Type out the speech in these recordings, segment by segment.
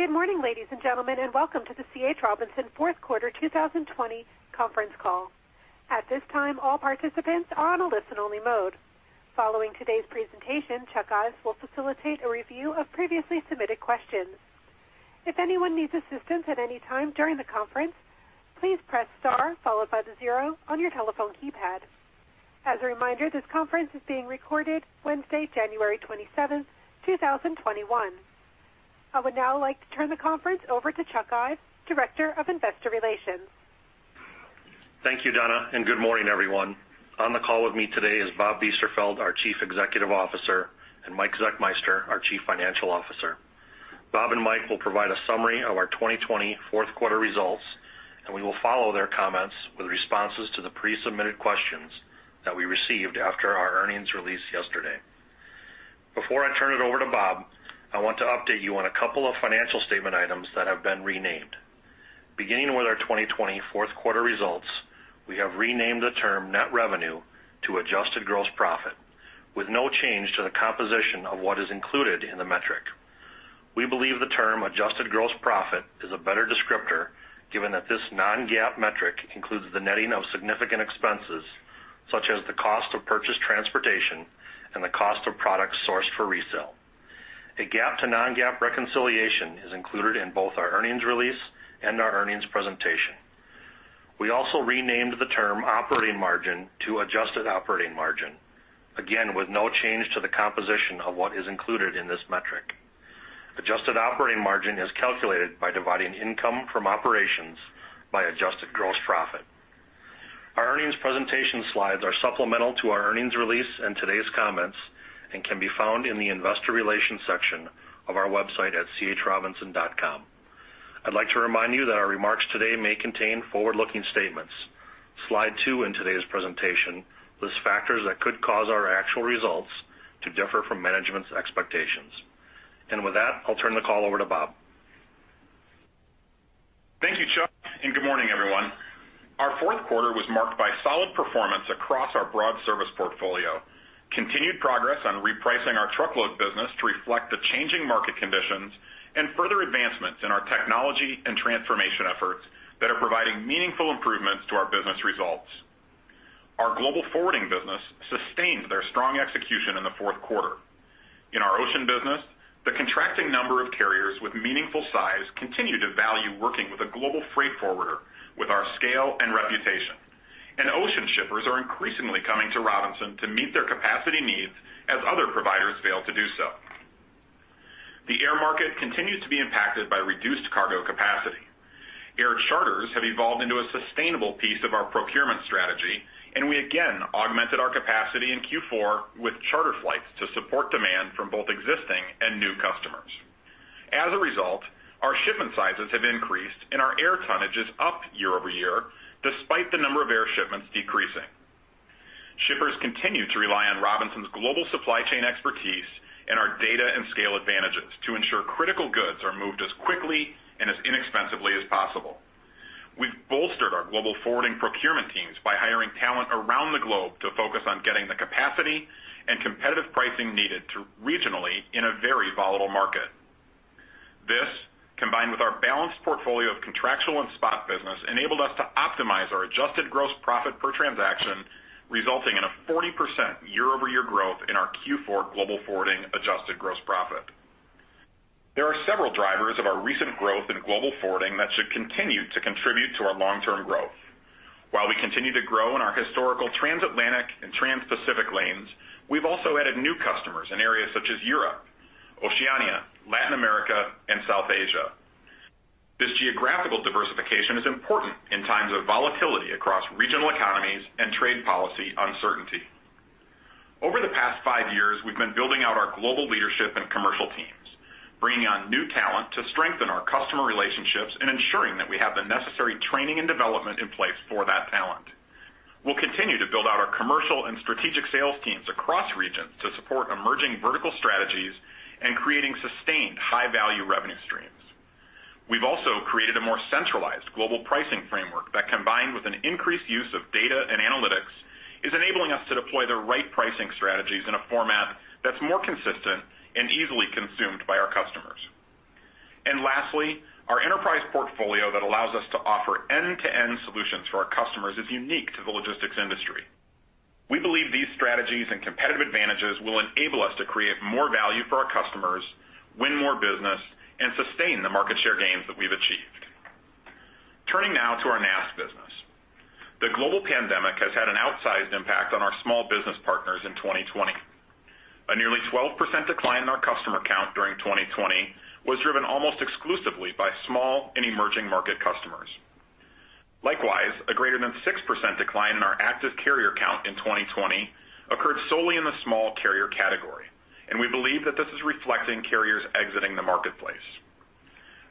Good morning, ladies and gentlemen, welcome to the C. H. Robinson Fourth Quarter 2020 Conference Call. At this time, all participants are on a listen only mode. Following today's presentation, Chuck Ives will facilitate a review of previously submitted questions. If anyone needs assistance at any time during the conference, please press star followed by the zero on your telephone keypad. As a reminder, this conference is being recorded Wednesday, January 27th, 2021. I would now like to turn the conference over to Chuck Ives, Director of Investor Relations. Thank you, Donna, and good morning, everyone. On the call with me today is Bob Biesterfeld, our Chief Executive Officer, and Mike Zechmeister, our Chief Financial Officer. Bob and Mike will provide a summary of our 2020 fourth quarter results, and we will follow their comments with responses to the pre-submitted questions that we received after our earnings release yesterday. Before I turn it over to Bob, I want to update you on a couple of financial statement items that have been renamed. Beginning with our 2020 fourth quarter results, we have renamed the term net revenue to adjusted gross profit, with no change to the composition of what is included in the metric. We believe the term adjusted gross profit is a better descriptor given that this non-GAAP metric includes the netting of significant expenses such as the cost of purchased transportation and the cost of products sourced for resale. A GAAP to non-GAAP reconciliation is included in both our earnings release and our earnings presentation. We also renamed the term operating margin to adjusted operating margin, again with no change to the composition of what is included in this metric. Adjusted operating margin is calculated by dividing income from operations by adjusted gross profit. Our earnings presentation slides are supplemental to our earnings release and today's comments and can be found in the investor relations section of our website at chrobinson.com. I'd like to remind you that our remarks today may contain forward-looking statements. Slide 2 in today's presentation lists factors that could cause our actual results to differ from management's expectations. With that, I'll turn the call over to Bob. Thank you, Chuck. Good morning, everyone. Our fourth quarter was marked by solid performance across our broad service portfolio, continued progress on repricing our truckload business to reflect the changing market conditions, and further advancements in our technology and transformation efforts that are providing meaningful improvements to our business results. Our global forwarding business sustained their strong execution in the fourth quarter. In our ocean business, the contracting number of carriers with meaningful size continue to value working with a global freight forwarder with our scale and reputation. Ocean shippers are increasingly coming to Robinson to meet their capacity needs as other providers fail to do so. The air market continues to be impacted by reduced cargo capacity. Air charters have evolved into a sustainable piece of our procurement strategy, and we again augmented our capacity in Q4 with charter flights to support demand from both existing and new customers. As a result, our shipment sizes have increased, and our air tonnage is up year-over-year, despite the number of air shipments decreasing. Shippers continue to rely on Robinson's global supply chain expertise and our data and scale advantages to ensure critical goods are moved as quickly and as inexpensively as possible. We've bolstered our global forwarding procurement teams by hiring talent around the globe to focus on getting the capacity and competitive pricing needed regionally in a very volatile market. This, combined with our balanced portfolio of contractual and spot business, enabled us to optimize our adjusted gross profit per transaction, resulting in a 40% year-over-year growth in our Q4 global forwarding adjusted gross profit. There are several drivers of our recent growth in global forwarding that should continue to contribute to our long-term growth. While we continue to grow in our historical transatlantic and transpacific lanes, we've also added new customers in areas such as Europe, Oceania, Latin America, and South Asia. This geographical diversification is important in times of volatility across regional economies and trade policy uncertainty. Over the past five years, we've been building out our global leadership and commercial teams, bringing on new talent to strengthen our customer relationships and ensuring that we have the necessary training and development in place for that talent. We'll continue to build out our commercial and strategic sales teams across regions to support emerging vertical strategies and creating sustained high-value revenue streams. We've also created a more centralized global pricing framework that, combined with an increased use of data and analytics, is enabling us to deploy the right pricing strategies in a format that's more consistent and easily consumed by our customers. Lastly, our enterprise portfolio that allows us to offer end-to-end solutions for our customers is unique to the logistics industry. We believe these strategies and competitive advantages will enable us to create more value for our customers, win more business, and sustain the market share gains that we've achieved. Turning now to our NAST business. The global pandemic has had an outsized impact on our small business partners in 2020. A nearly 12% decline in our customer count during 2020 was driven almost exclusively by small and emerging market customers. Likewise, a greater than 6% decline in our active carrier count in 2020 occurred solely in the small carrier category, and we believe that this is reflecting carriers exiting the marketplace.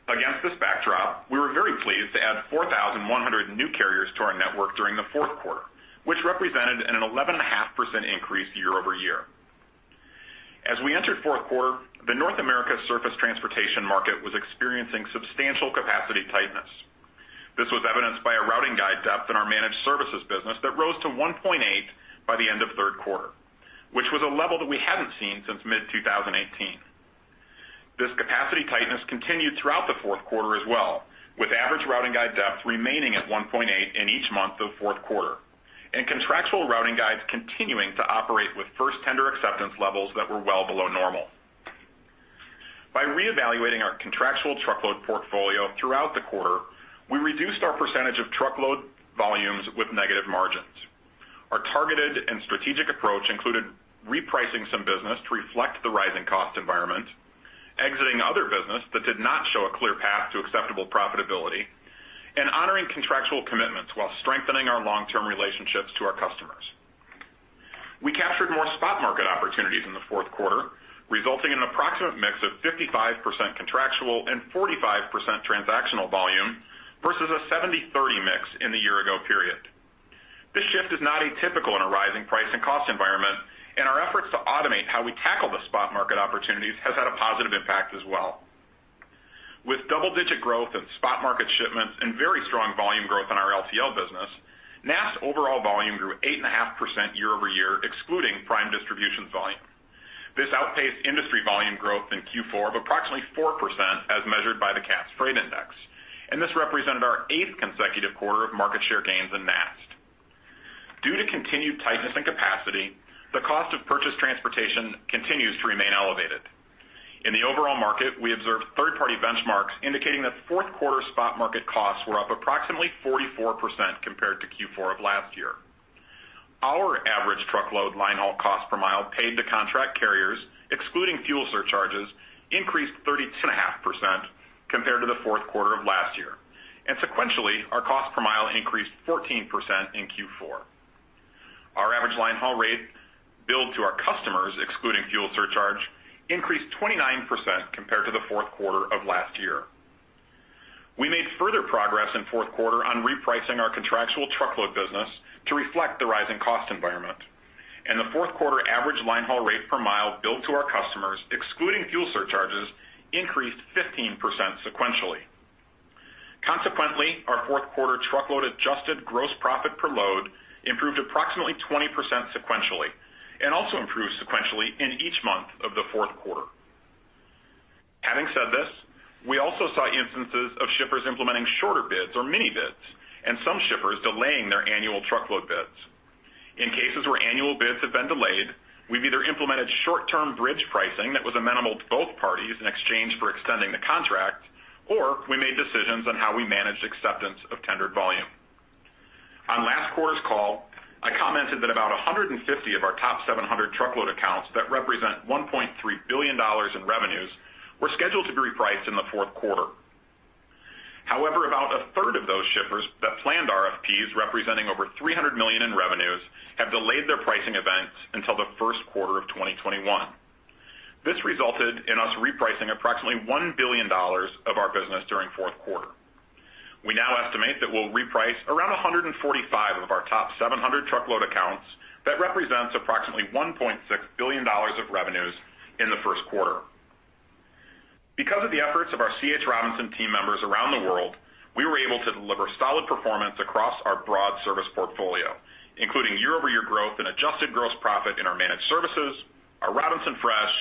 Against this backdrop, we were very pleased to add 4,100 new carriers to our network during the fourth quarter, which represented an 11.5% increase year-over-year. As we entered fourth quarter, the North America surface transportation market was experiencing substantial capacity tightness. This was evidenced by a routing guide depth in our Managed Services business that rose to 1.8 by the end of third quarter, which was a level that we haven't seen since mid-2018. This capacity tightness continued throughout the fourth quarter as well, with average routing guide depth remaining at 1.8 in each month of fourth quarter, and contractual routing guides continuing to operate with first tender acceptance levels that were well below normal. By reevaluating our contractual truckload portfolio throughout the quarter, we reduced our percentage of truckload volumes with negative margins. Our targeted and strategic approach included repricing some business to reflect the rising cost environment, exiting other business that did not show a clear path to acceptable profitability, and honoring contractual commitments while strengthening our long-term relationships to our customers. We captured more spot market opportunities in the fourth quarter, resulting in an approximate mix of 55% contractual and 45% transactional volume, versus a 70/30 mix in the year-ago period. This shift is not atypical in a rising price and cost environment, and our efforts to automate how we tackle the spot market opportunities has had a positive impact as well. With double-digit growth in spot market shipments and very strong volume growth in our LTL business, NAST's overall volume grew 8.5% year-over-year, excluding Prime Distribution's volume. This outpaced industry volume growth in Q4 of approximately 4%, as measured by the Cass Freight Index. This represented our 8th consecutive quarter of market share gains in NAST. Due to continued tightness in capacity, the cost of purchased transportation continues to remain elevated. In the overall market, we observed third-party benchmarks indicating that fourth quarter spot market costs were up approximately 44% compared to Q4 of last year. Our average truckload line haul cost per mile paid to contract carriers, excluding fuel surcharges, increased 32.5% compared to the fourth quarter of last year. Sequentially, our cost per mile increased 14% in Q4. Our average line haul rate billed to our customers, excluding fuel surcharge, increased 29% compared to the fourth quarter of last year. We made further progress in fourth quarter on repricing our contractual truckload business to reflect the rising cost environment. The fourth quarter average line haul rate per mile billed to our customers, excluding fuel surcharges, increased 15% sequentially. Consequently, our fourth quarter truckload adjusted gross profit per load improved approximately 20% sequentially and also improved sequentially in each month of the fourth quarter. Having said this, we also saw instances of shippers implementing shorter bids or mini-bids, and some shippers delaying their annual truckload bids. In cases where annual bids have been delayed, we've either implemented short-term bridge pricing that was amenable to both parties in exchange for extending the contract, or we made decisions on how we managed acceptance of tendered volume. On last quarter's call, I commented that about 150 of our top 700 truckload accounts that represent $1.3 billion in revenues were scheduled to be repriced in the fourth quarter. However, about a third of those shippers that planned RFPs representing over $300 million in revenues have delayed their pricing events until the first quarter of 2021. This resulted in us repricing approximately $1 billion of our business during fourth quarter. We now estimate that we'll reprice around 145 of our top 700 truckload accounts that represents approximately $1.6 billion of revenues in the first quarter. Because of the efforts of our C. H. Robinson team members around the world, we were able to deliver solid performance across our broad service portfolio, including year-over-year growth in adjusted gross profit in our Managed Services, our Robinson Fresh,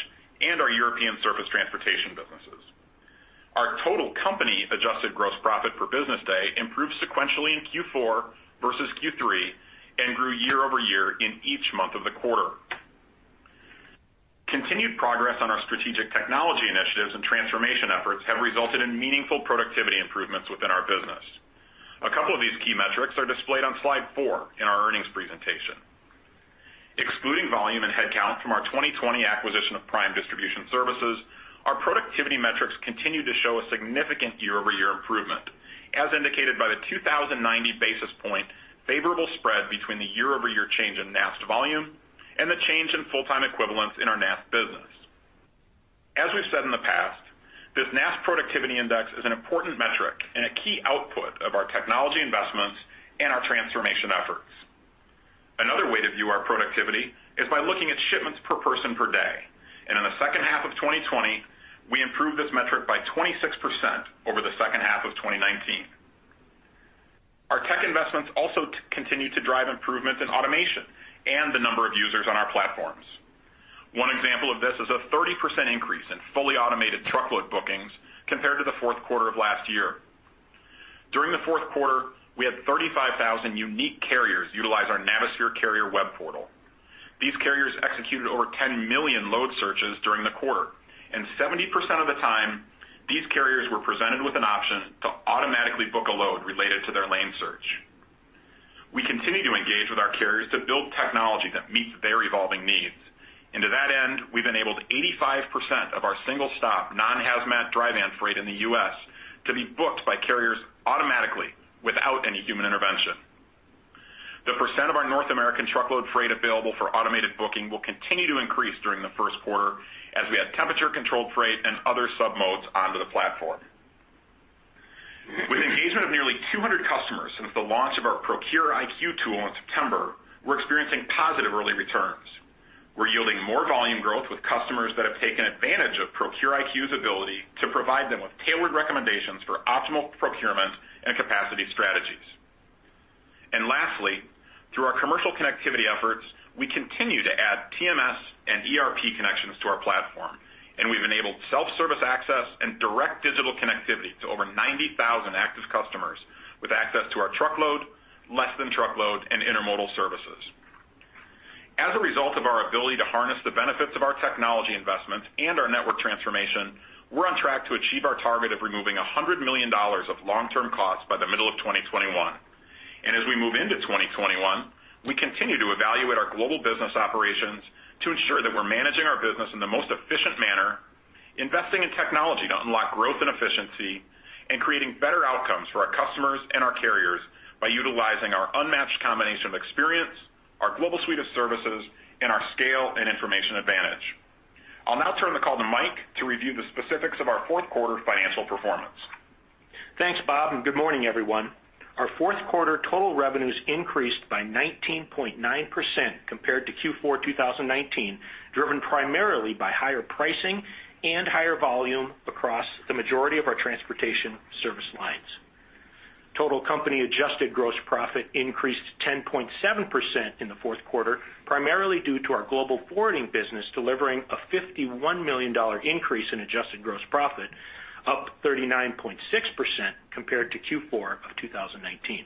and our European Surface Transportation businesses. Our total company adjusted gross profit per business day improved sequentially in Q4 versus Q3 and grew year-over-year in each month of the quarter. Continued progress on our strategic technology initiatives and transformation efforts have resulted in meaningful productivity improvements within our business. A couple of these key metrics are displayed on slide 4 in our earnings presentation. Excluding volume and headcount from our 2020 acquisition of Prime Distribution Services, our productivity metrics continue to show a significant year-over-year improvement, as indicated by the 2,090 basis point favorable spread between the year-over-year change in NAST volume and the change in full-time equivalents in our NAST business. As we've said in the past, this NAST Productivity Index is an important metric and a key output of our technology investments and our transformation efforts. Another way to view our productivity is by looking at shipments per person per day. In the second half of 2020, we improved this metric by 26% over the second half of 2019. Our tech investments also continue to drive improvements in automation and the number of users on our platforms. One example of this is a 30% increase in fully automated truckload bookings compared to the fourth quarter of last year. During the fourth quarter, we had 35,000 unique carriers utilize our Navisphere Carrier web portal. These carriers executed over 10 million load searches during the quarter, and 70% of the time, these carriers were presented with an option to automatically book a load related to their lane search. We continue to engage with our carriers to build technology that meets their evolving needs. To that end, we've enabled 85% of our single stop non-hazmat dry van freight in the U.S. to be booked by carriers automatically without any human intervention. The percent of our North American truckload freight available for automated booking will continue to increase during the first quarter as we add temperature-controlled freight and other submodes onto the platform. With engagement of nearly 200 customers since the launch of our Procure IQ tool in September, we're experiencing positive early returns. We're yielding more volume growth with customers that have taken advantage of Procure IQ's ability to provide them with tailored recommendations for optimal procurement and capacity strategies. Lastly, through our commercial connectivity efforts, we continue to add TMS and ERP connections to our platform, and we've enabled self-service access and direct digital connectivity to over 90,000 active customers with access to our truckload, less than truckload, and intermodal services. As a result of our ability to harness the benefits of our technology investments and our network transformation, we're on track to achieve our target of removing $100 million of long-term costs by the middle of 2021. As we move into 2021, we continue to evaluate our global business operations to ensure that we're managing our business in the most efficient manner, investing in technology to unlock growth and efficiency, and creating better outcomes for our customers and our carriers by utilizing our unmatched combination of experience, our global suite of services, and our scale and information advantage. I'll now turn the call to Mike to review the specifics of our fourth quarter financial performance. Thanks, Bob, good morning, everyone. Our fourth quarter total revenues increased by 19.9% compared to Q4 2019, driven primarily by higher pricing and higher volume across the majority of our transportation service lines. Total company Adjusted Gross Profit increased 10.7% in the fourth quarter, primarily due to our Global Forwarding business delivering a $51 million increase in Adjusted Gross Profit, up 39.6% compared to Q4 of 2019.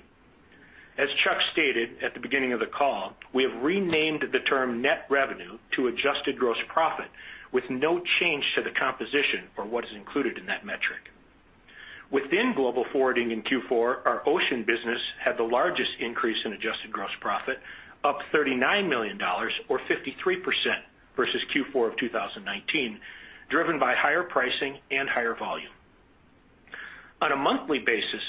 As Chuck stated at the beginning of the call, we have renamed the term net revenue to adjusted gross profit with no change to the composition for what is included in that metric. Within Global Forwarding in Q4, our ocean business had the largest increase in adjusted gross profit, up $39 million, or 53%, versus Q4 of 2019, driven by higher pricing and higher volume. On a monthly basis,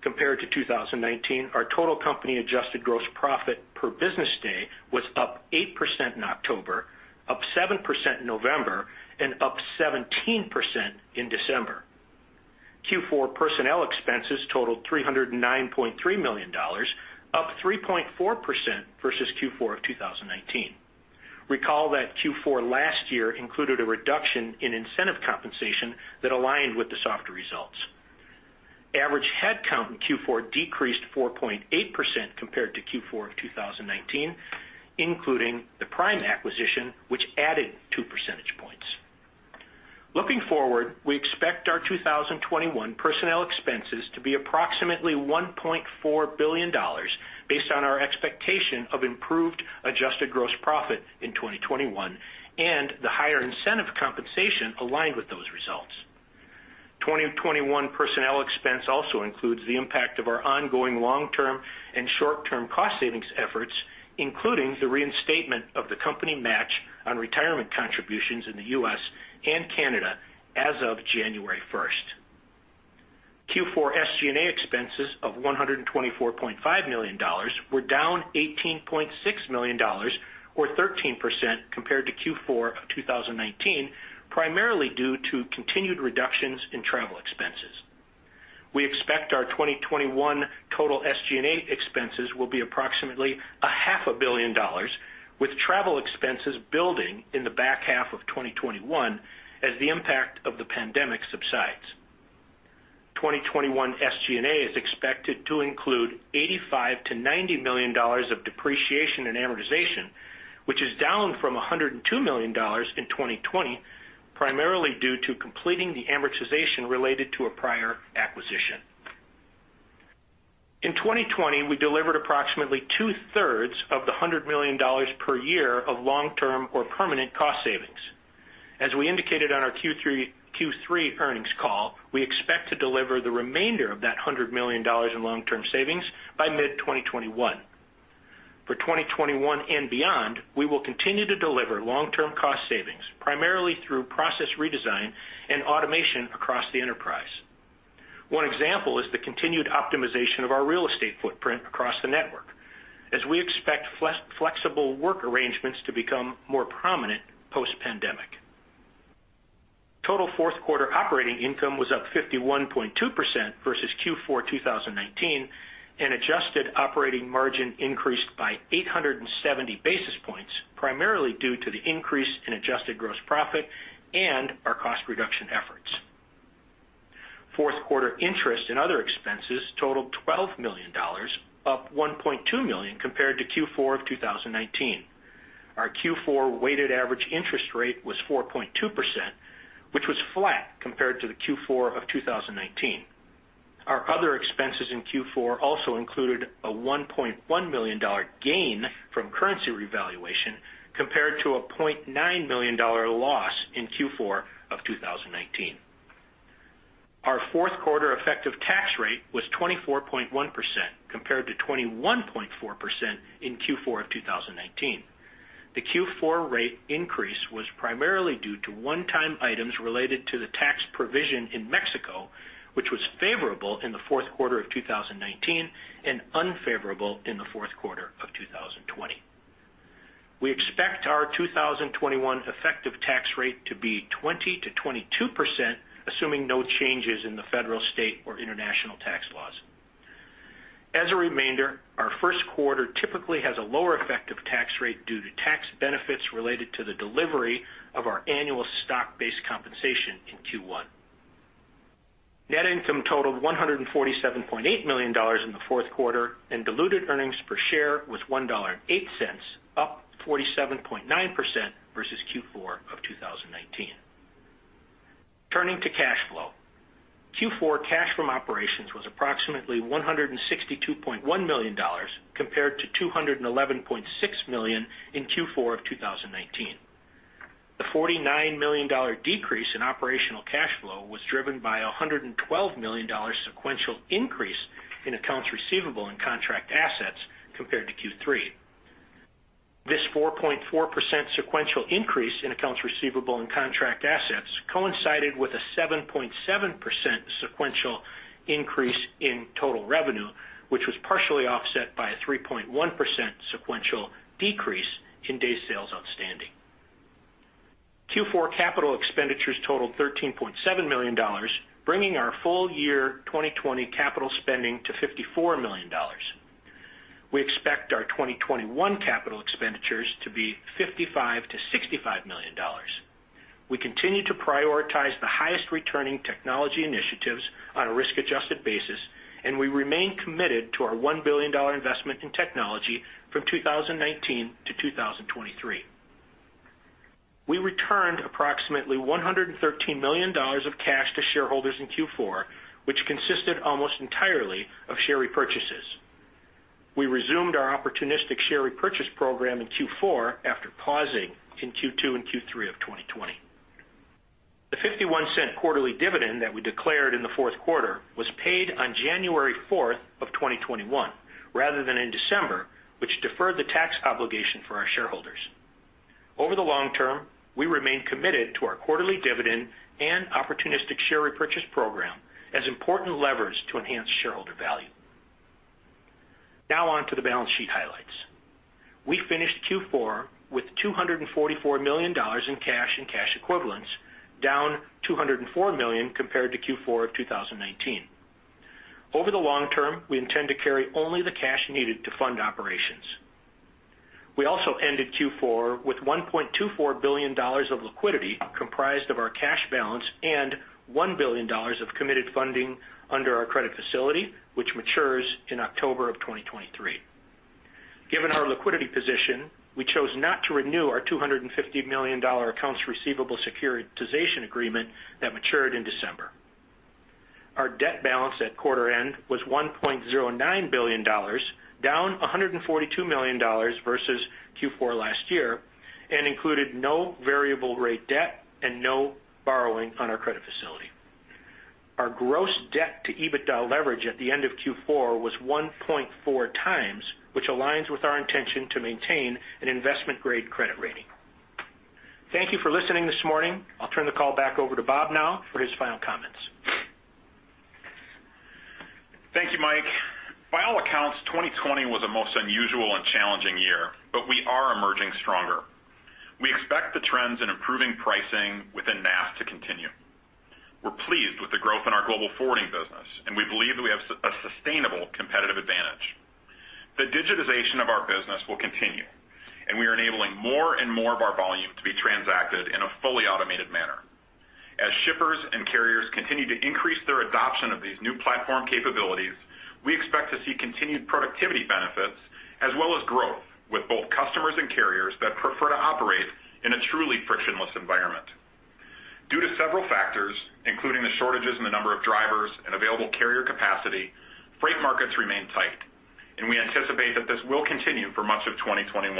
compared to 2019, our total company adjusted gross profit per business day was up 8% in October, up 7% in November, and up 17% in December. Q4 personnel expenses totaled $309.3 million, up 3.4% versus Q4 of 2019. Recall that Q4 last year included a reduction in incentive compensation that aligned with the softer results. Average headcount in Q4 decreased 4.8% compared to Q4 of 2019, including the Prime acquisition, which added two percentage points. Looking forward, we expect our 2021 personnel expenses to be approximately $1.4 billion based on our expectation of improved adjusted gross profit in 2021 and the higher incentive compensation aligned with those results. 2021 personnel expense also includes the impact of our ongoing long-term and short-term cost savings efforts, including the reinstatement of the company match on retirement contributions in the U.S. and Canada as of January 1st. Q4 SG&A expenses of $124.5 million were down $18.6 million, or 13%, compared to Q4 of 2019, primarily due to continued reductions in travel expenses. We expect our 2021 total SG&A expenses will be approximately a half a billion dollars, with travel expenses building in the back half of 2021 as the impact of the pandemic subsides. 2021 SG&A is expected to include $85 million-$90 million of depreciation and amortization, which is down from $102 million in 2020, primarily due to completing the amortization related to a prior acquisition. In 2020, we delivered approximately two-thirds of the $100 million per year of long-term or permanent cost savings. As we indicated on our Q3 earnings call, we expect to deliver the remainder of that $100 million in long-term savings by mid-2021. For 2021 and beyond, we will continue to deliver long-term cost savings, primarily through process redesign and automation across the enterprise. One example is the continued optimization of our real estate footprint across the network, as we expect flexible work arrangements to become more prominent post-pandemic. Total fourth quarter operating income was up 51.2% versus Q4 2019, and adjusted operating margin increased by 870 basis points, primarily due to the increase in adjusted gross profit and our cost reduction efforts. Fourth quarter interest and other expenses totaled $12 million, up $1.2 million compared to Q4 of 2019. Our Q4 weighted average interest rate was 4.2%, which was flat compared to the Q4 of 2019. Our other expenses in Q4 also included a $1.1 million gain from currency revaluation compared to a $0.9 million loss in Q4 of 2019. Our fourth quarter effective tax rate was 24.1% compared to 21.4% in Q4 of 2019. The Q4 rate increase was primarily due to one-time items related to the tax provision in Mexico, which was favorable in the fourth quarter of 2019 and unfavorable in the fourth quarter of 2020. We expect our 2021 effective tax rate to be 20%-22%, assuming no changes in the federal, state, or international tax laws. As a reminder, our first quarter typically has a lower effective tax rate due to tax benefits related to the delivery of our annual stock-based compensation in Q1. Net income totaled $147.8 million in the fourth quarter, and diluted earnings per share was $1.08, up 47.9% versus Q4 of 2019. Turning to cash flow. Q4 cash from operations was approximately $162.1 million, compared to $211.6 million in Q4 of 2019. The $49 million decrease in operational cash flow was driven by $112 million sequential increase in accounts receivable and contract assets compared to Q3. This 4.4% sequential increase in accounts receivable and contract assets coincided with a 7.7% sequential increase in total revenue, which was partially offset by a 3.1% sequential decrease in days sales outstanding. Q4 capital expenditures totaled $13.7 million, bringing our full year 2020 capital spending to $54 million. We expect our 2021 capital expenditures to be $55 million-$65 million. We continue to prioritize the highest returning technology initiatives on a risk-adjusted basis, and we remain committed to our $1 billion investment in technology from 2019 to 2023. We returned approximately $113 million of cash to shareholders in Q4, which consisted almost entirely of share repurchases. We resumed our opportunistic share repurchase program in Q4 after pausing in Q2 and Q3 of 2020. The $0.51 quarterly dividend that we declared in the fourth quarter was paid on January 4, 2021, rather than in December, which deferred the tax obligation for our shareholders. Over the long term, we remain committed to our quarterly dividend and opportunistic share repurchase program as important levers to enhance shareholder value. On to the balance sheet highlights. We finished Q4 with $244 million in cash and cash equivalents, down $204 million compared to Q4 2019. Over the long term, we intend to carry only the cash needed to fund operations. We also ended Q4 with $1.24 billion of liquidity comprised of our cash balance and $1 billion of committed funding under our credit facility, which matures in October 2023. Given our liquidity position, we chose not to renew our $250 million accounts receivable securitization agreement that matured in December. Our debt balance at quarter end was $1.09 billion, down $142 million versus Q4 last year, and included no variable rate debt and no borrowing on our credit facility. Our gross debt to EBITDA leverage at the end of Q4 was 1.4 times, which aligns with our intention to maintain an investment-grade credit rating. Thank you for listening this morning. I'll turn the call back over to Bob now for his final comments. Thank you, Mike. By all accounts, 2020 was a most unusual and challenging year. We are emerging stronger. We expect the trends in improving pricing within NAST to continue. We're pleased with the growth in our global forwarding business, and we believe that we have a sustainable competitive advantage. The digitization of our business will continue, and we are enabling more and more of our volume to be transacted in a fully automated manner. As shippers and carriers continue to increase their adoption of these new platform capabilities, we expect to see continued productivity benefits as well as growth with both customers and carriers that prefer to operate in a truly frictionless environment. Due to several factors, including the shortages in the number of drivers and available carrier capacity, freight markets remain tight, and we anticipate that this will continue for much of 2021.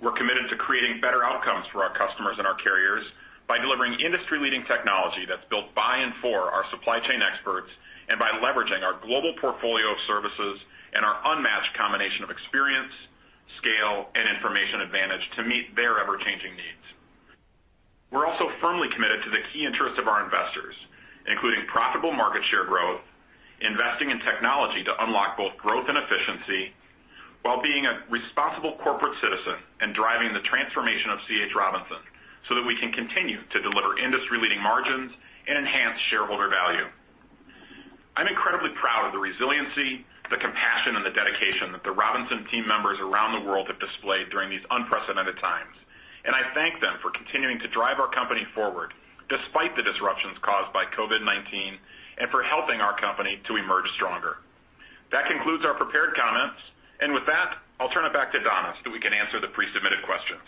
We're committed to creating better outcomes for our customers and our carriers by delivering industry-leading technology that's built by and for our supply chain experts, and by leveraging our global portfolio of services and our unmatched combination of experience, scale, and information advantage to meet their ever-changing needs. We're also firmly committed to the key interests of our investors, including profitable market share growth, investing in technology to unlock both growth and efficiency, while being a responsible corporate citizen and driving the transformation of C. H. Robinson, so that we can continue to deliver industry-leading margins and enhance shareholder value. I'm incredibly proud of the resiliency, the compassion, and the dedication that the Robinson team members around the world have displayed during these unprecedented times, and I thank them for continuing to drive our company forward despite the disruptions caused by COVID-19 and for helping our company to emerge stronger. That concludes our prepared comments. With that, I'll turn it back to Donna so that we can answer the pre-submitted questions.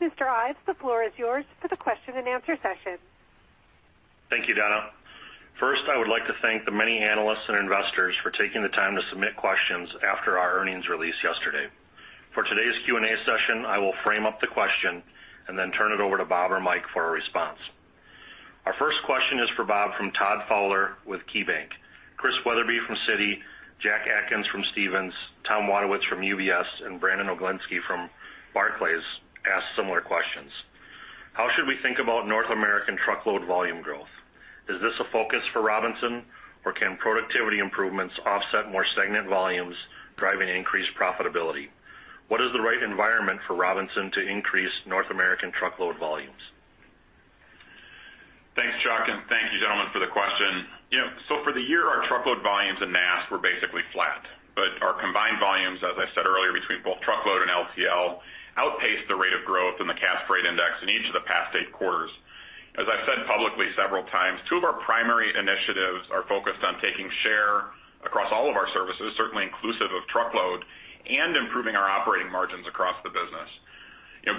Mr. Ives, the floor is yours for the question and answer session. Thank you, Donna. First, I would like to thank the many analysts and investors for taking the time to submit questions after our earnings release yesterday. For today's Q&A session, I will frame up the question and then turn it over to Bob or Mike for a response. Our first question is for Bob from Todd Fowler with KeyBanc. Chris Wetherbee from Citi, Jack Atkins from Stephens, Tom Wadewitz from UBS, and Brandon Oglenski from Barclays asked similar questions. How should we think about North American truckload volume growth? Is this a focus for Robinson, or can productivity improvements offset more stagnant volumes, driving increased profitability? What is the right environment for Robinson to increase North American truckload volumes? Thanks, Chuck, and thank you, gentlemen, for the question. For the year, our truckload volumes in NAST were basically flat. Our combined volumes, as I said earlier, between both truckload and LTL, outpaced the rate of growth in the Cass Freight Index in each of the past eight quarters. As I've said publicly several times, two of our primary initiatives are focused on taking share across all of our services, certainly inclusive of truckload, and improving our operating margins across the business.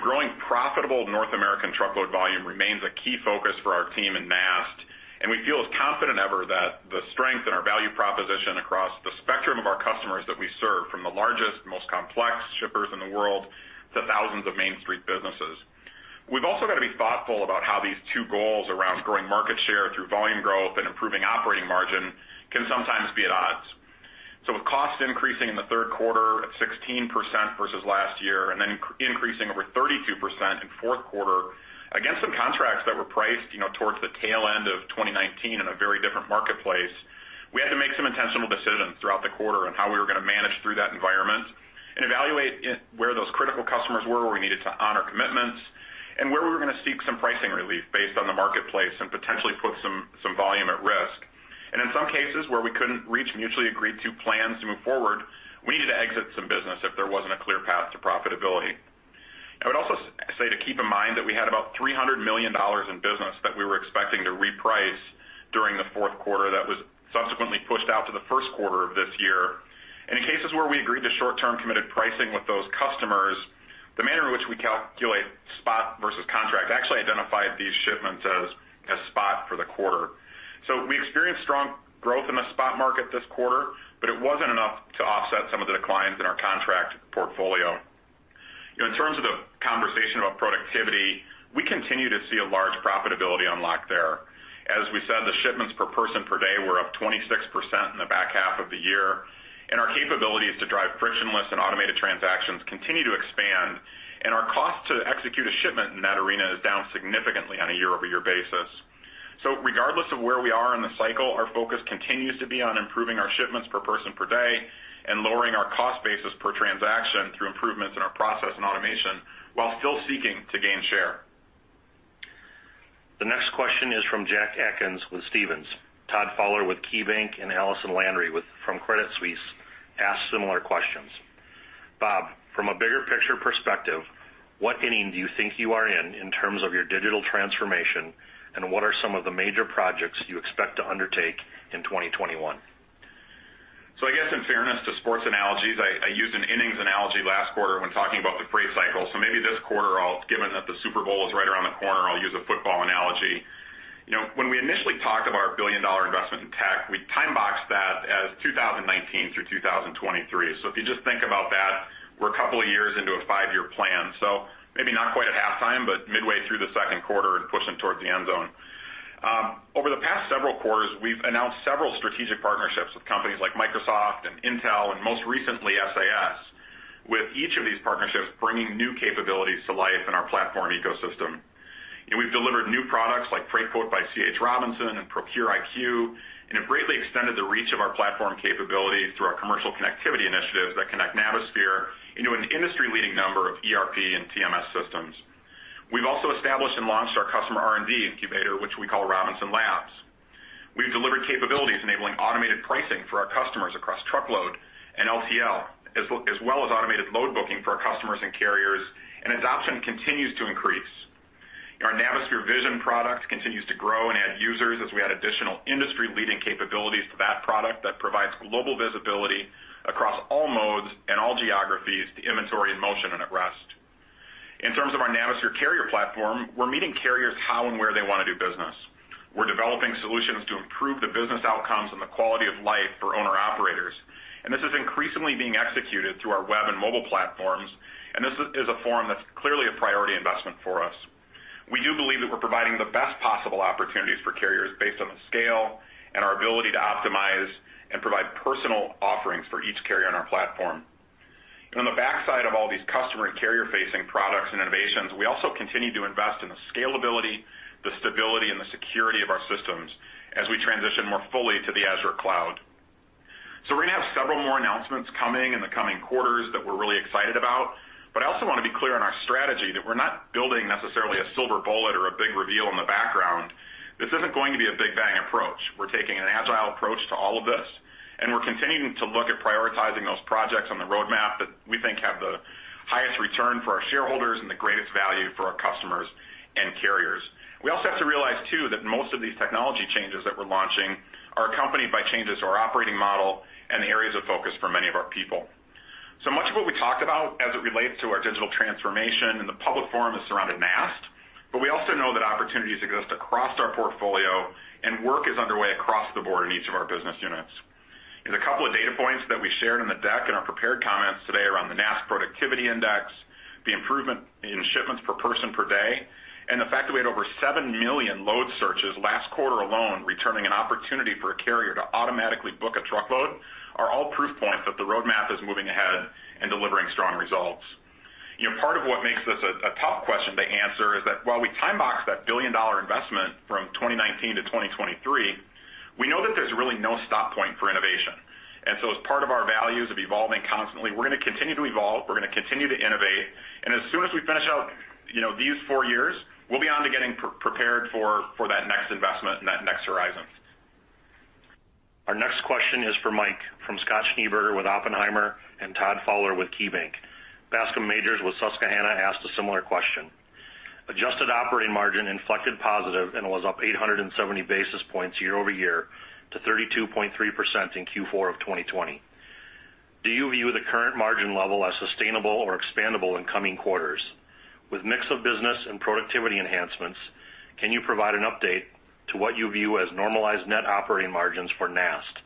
Growing profitable North American truckload volume remains a key focus for our team in NAST, and we feel as confident ever that the strength in our value proposition across the spectrum of our customers that we serve, from the largest, most complex shippers in the world, to thousands of main street businesses. We've also got to be thoughtful about how these two goals around growing market share through volume growth and improving operating margin can sometimes be at odds. With costs increasing in the third quarter at 16% versus last year, increasing over 32% in fourth quarter, against some contracts that were priced towards the tail end of 2019 in a very different marketplace, we had to make some intentional decisions throughout the quarter on how we were going to manage through that environment and evaluate where those critical customers were, where we needed to honor commitments, and where we were going to seek some pricing relief based on the marketplace and potentially put some volume at risk. In some cases where we couldn't reach mutually agreed to plans to move forward, we needed to exit some business if there wasn't a clear path to profitability. I would also say to keep in mind that we had about $300 million in business that we were expecting to reprice during the fourth quarter that was subsequently pushed out to the first quarter of this year. In cases where we agreed to short-term committed pricing with those customers, the manner in which we calculate spot versus contract actually identified these shipments as spot for the quarter. We experienced strong growth in the spot market this quarter, but it wasn't enough to offset some of the declines in our contract portfolio. In terms of the conversation about productivity, we continue to see a large profitability unlock there. As we said, the shipments per person per day were up 26% in the back half of the year, and our capabilities to drive frictionless and automated transactions continue to expand, and our cost to execute a shipment in that arena is down significantly on a year-over-year basis. Regardless of where we are in the cycle, our focus continues to be on improving our shipments per person per day and lowering our cost basis per transaction through improvements in our process and automation while still seeking to gain share. The next question is from Jack Atkins with Stephens. Todd Fowler with KeyBanc Capital Markets and Allison Landry from Credit Suisse asked similar questions. Bob, from a bigger picture perspective, what inning do you think you are in terms of your digital transformation, and what are some of the major projects you expect to undertake in 2021? I guess in fairness to sports analogies, I used an innings analogy last quarter when talking about the freight cycle. Maybe this quarter, given that the Super Bowl is right around the corner, I'll use a football analogy. When we initially talked about our billion-dollar investment in tech, we time-boxed that as 2019 through 2023. If you just think about that, we're a couple of years into a five-year plan. Maybe not quite at halftime, but midway through the second quarter and pushing towards the end zone. Over the past several quarters, we've announced several strategic partnerships with companies like Microsoft and Intel, and most recently, SAS, with each of these partnerships bringing new capabilities to life in our platform ecosystem. We've delivered new products like Freightquote by C.H. Robinson and Procure IQ, and have greatly extended the reach of our platform capabilities through our commercial connectivity initiatives that connect Navisphere into an industry-leading number of ERP and TMS systems. We've also established and launched our customer R&D incubator, which we call Robinson Labs. We've delivered capabilities enabling automated pricing for our customers across truckload and LTL, as well as automated load booking for our customers and carriers, and adoption continues to increase. Our Navisphere Vision product continues to grow and add users as we add additional industry-leading capabilities to that product that provides global visibility across all modes and all geographies to inventory in motion and at rest. In terms of our Navisphere Carrier platform, we're meeting carriers how and where they want to do business. We're developing solutions to improve the business outcomes and the quality of life for owner-operators. This is increasingly being executed through our web and mobile platforms, and this is a form that's clearly a priority investment for us. We do believe that we're providing the best possible opportunities for carriers based on the scale and our ability to optimize and provide personal offerings for each carrier on our platform. On the backside of all these customer and carrier-facing products and innovations, we also continue to invest in the scalability, the stability, and the security of our systems as we transition more fully to the Azure cloud. We're going to have several more announcements coming in the coming quarters that we're really excited about. I also want to be clear on our strategy that we're not building necessarily a silver bullet or a big reveal in the background. This isn't going to be a big bang approach. We're taking an agile approach to all of this, and we're continuing to look at prioritizing those projects on the roadmap that we think have the highest return for our shareholders and the greatest value for our customers and carriers. We also have to realize, too, that most of these technology changes that we're launching are accompanied by changes to our operating model and the areas of focus for many of our people. Much of what we talked about as it relates to our digital transformation in the public forum is around NAST, but we also know that opportunities exist across our portfolio and work is underway across the board in each of our business units. There's a couple of data points that we shared in the deck in our prepared comments today around the NAST Productivity Index, the improvement in shipments per person per day, and the fact that we had over 7 million load searches last quarter alone returning an opportunity for a carrier to automatically book a truckload are all proof points that the roadmap is moving ahead and delivering strong results. Part of what makes this a tough question to answer is that while we time box that billion-dollar investment from 2019-2023, we know that there's really no stop point for innovation. As part of our values of evolving constantly, we're going to continue to evolve, we're going to continue to innovate, and as soon as we finish out these four years, we'll be on to getting prepared for that next investment and that next horizon. Our next question is for Mike from Scott Schneeberger with Oppenheimer and Todd Fowler with KeyBanc. Bascome Majors with Susquehanna asked a similar question. Adjusted operating margin inflected positive and was up 870 basis points year-over-year to 32.3% in Q4 of 2020. Do you view the current margin level as sustainable or expandable in coming quarters? With mix of business and productivity enhancements, can you provide an update to what you view as normalized adjusted operating margins for NAST?